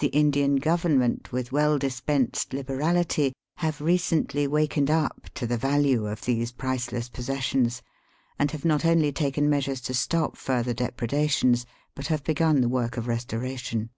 The Indian Government with well dispensed liberality have recently wakened up to the value of these priceless possessions and have not only taken measures to stop farther depredations but have begun the work of restoration.